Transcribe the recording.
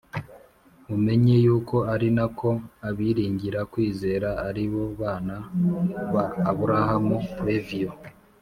“mumenye yuko ari na ko abiringira kwizera, ari bo bana ba aburahamu” previo